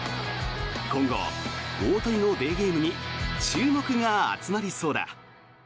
今後、大谷のデーゲームに注目が集まりそうだ。